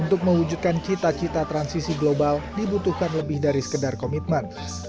untuk mewujudkan cita cita transisi global dibutuhkan lebih dari sekedar komitmen